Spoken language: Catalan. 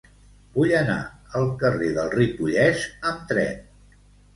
Vull anar al carrer del Ripollès amb tren.